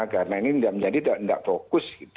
karena ini tidak menjadi tidak fokus